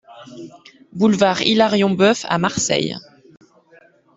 Boulevard Hilarion Boeuf à Marseille